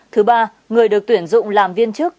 thứ ba người được tuyển dụng làm viên chức